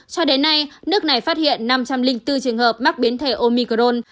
cho đến nay nước này phát hiện năm trăm linh bốn trường hợp mắc biến thể omicron